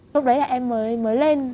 lúc đấy là em mới lên